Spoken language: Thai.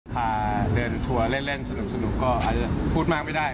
พาเดินทัวร์เล่นสนุกก็อาจจะพูดมากไม่ได้